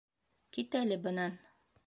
Кит әле бынан!..